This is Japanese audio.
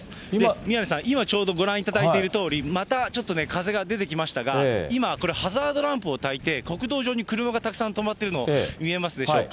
宮根さん、今、ちょうどご覧いただいているとおり、またちょっとね、風が出てきましたが、今、これ、ハザードランプをたいて、国道上に車がたくさん止まっているの、見えますでしょうか。